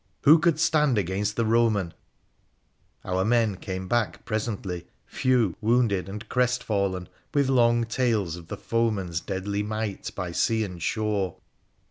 Who could stand against the Soman ? Our men came back presently — few, wounded, and crestfallen, with long tales of the foeman's deadly might by sea and shore.